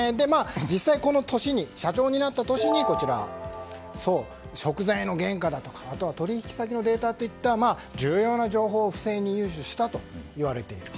実際、この社長になった年に食材の原価や取引先のデータといった重要な情報を不正に入手したといわれている。